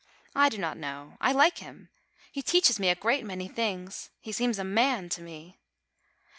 I do not know: I like him; he teaches me a great many things; he seems a man to me.